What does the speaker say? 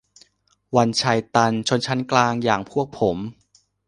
วันชัย ตัน : ชนชั้นกลางอย่างพวกผม